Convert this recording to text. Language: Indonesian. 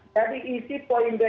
jadi isi poin b